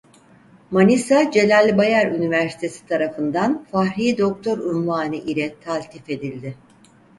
Manisa Celal Bayar Üniversitesi tarafından "fahrî doktor" unvanı ile taltif edildi.